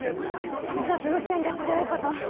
自殺の線が強い事。